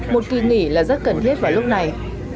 một kỳ nghỉ là rất cần thiết vào lúc này